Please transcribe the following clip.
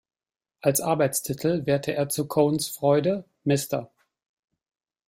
Als Arbeitstitel wählte er zu Cohns Freude „Mr.